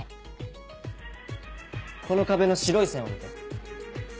この壁の白い線を見て。